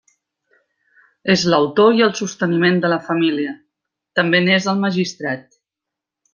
És l'autor i el sosteniment de la família; també n'és el magistrat.